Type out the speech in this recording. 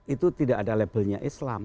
itu tidak ada labelnya islam